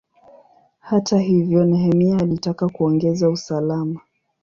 Hata hivyo, Nehemia alitaka kuongeza usalama.